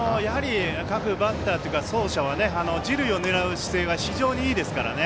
各バッター、走者は次塁を狙う姿勢が非常にいいですからね。